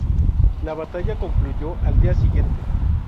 La batalla concluyó al día siguiente.